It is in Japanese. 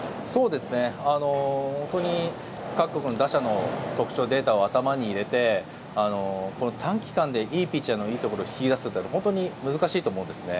各国の特徴、データを頭に入れて短期間で、いいピッチャーのいいところを引き出すのは本当に難しいと思うんですね。